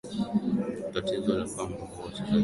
tatizo ni kwamba hawa wachezaji wetu hawajui sheria za